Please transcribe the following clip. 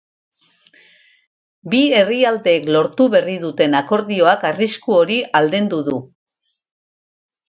Bi herrialdeek lortu berri duten akordioak arrisku hori aldendu du.